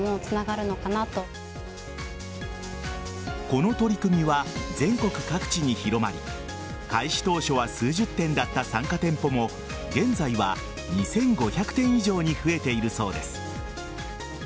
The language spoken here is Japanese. この取り組みは全国各地に広まり開始当初は数十点だった参加店舗も現在は２５００店以上に増えているそうです。